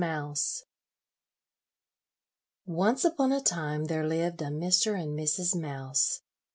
MOUSE. Once upon a time there lived a Mr. and Mrs. Mouse.